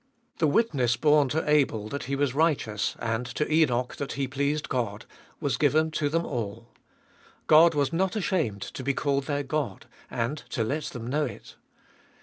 The witness borne to Abel that he was righteous, and 474 Hbe •holiest of to Enoch that he pleased God, was given to them all. God was not ashamed to be called their God, and to let them know it.